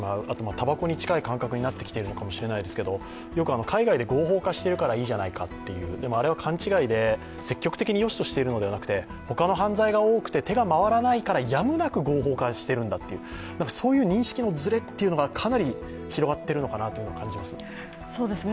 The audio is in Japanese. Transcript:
たばこに近い感覚になっているかもしれないですがよく、海外で合法化してるからいいじゃないかというでもあれは勘違いで積極的によしとしているのではなくて、他の犯罪が多くて手が回らないからやむなく合法化してるんだというそういう認識のずれというのがかなり広がってるのかなというのは感じます。